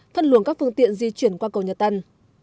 phân luồng các phương tiện di chuyển qua cầu nhật tân